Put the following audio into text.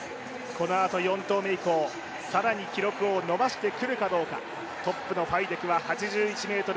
このあと４投目以降更に記録を延ばしてくるかどうか、トップのファイデクは８１ｍ９８。